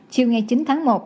chiều ngày chín tháng một